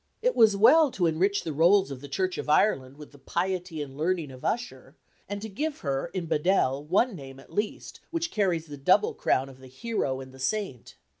It was well to enrich the rolls of the Church of Ireland with the piety and learning of Ussher, and to give her in Bedell one name, at least, which carries the double crown of the hero and the saint.